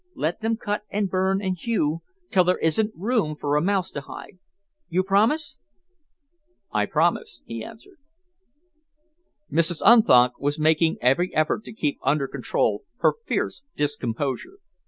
Let them cut and burn and hew till there isn't room for a mouse to hide. You promise?" "I promise," he answered. Mrs. Unthank was making every effort to keep under control her fierce discomposure.